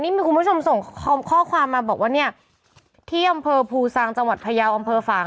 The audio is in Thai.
มีคุณผู้ชมส่งข้อความมาบอกว่าเนี่ยที่อำเภอภูซางจังหวัดพยาวอำเภอฝาง